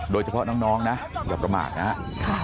โดยเฉพาะน้องนะอย่าประมาทนะฮะ